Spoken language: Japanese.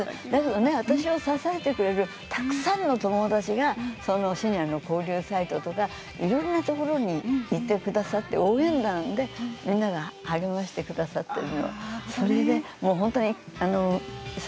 私を支えてくれるたくさんのお友達がシニアの交流サイトとかいろんなところにいてくださって応援団で励ましてくださっている。